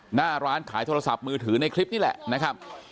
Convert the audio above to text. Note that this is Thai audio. หน้าร้านขายโทรศัพท์มือถือในคลิปนี่แหละนะครับ